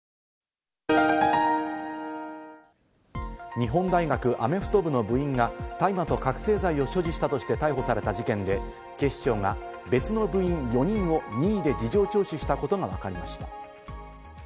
日本大学アメフト部の部員が大麻と覚せい剤を所持したとして逮捕された事件で、警視庁が別の部員４人を任意で事情聴取したことがわかりました。